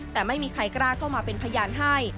แต่ไม่มีใครกล้าเข้ามาเป็นพยานให้